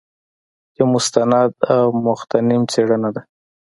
یو مستند او مغتنم څېړنه ده.